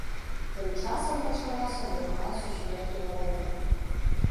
Тым часам пачалася другая сусветная вайна.